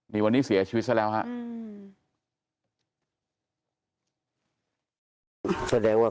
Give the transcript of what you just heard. นี่วันนี้เสียชีวิตซะแล้วครับ